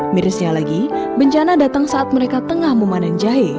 mirisnya lagi bencana datang saat mereka tengah memanen jahe